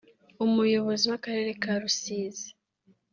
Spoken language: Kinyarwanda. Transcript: Umuyobozi w’Akarere ka Rusizi